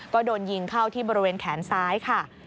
ก็โดนยิงเข้าที่บริเวณแขนซ้ายค่ะ